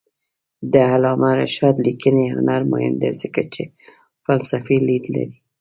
د علامه رشاد لیکنی هنر مهم دی ځکه چې فلسفي لید لري.